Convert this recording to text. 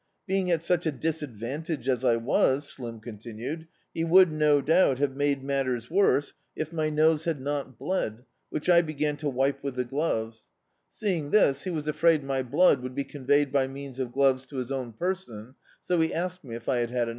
Being at such a disadvantage as I was," Slim continued, "he would, no doubt, have made matters worse if [>55] D,i.,idb, Google The Autobiography of a Super Tramp my nose had not bted, which I began to wipe with the gloves. Seeing this he was afraid my blood would be conveyed by means of gloves to his own person^ so he asked me if I had had enou^.